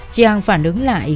chị hằng phản ứng lại